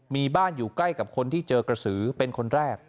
มีบ้านอยู่ใกล้กับคนที่เจอกระสือเป็นคนแรก